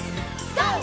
ＧＯ！